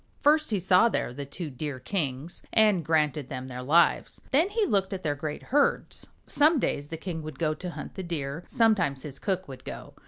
First he saw there the two Deer kings, and granted them their lives. Then he looked at their great herds. Some days the king would go to hunt the Deer, sometimes his cook would go.